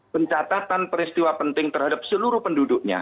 pencatatan peristiwa penting terhadap seluruh penduduknya